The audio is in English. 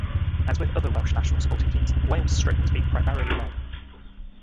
As with other Welsh national sporting teams, Wales strip has been primarily red.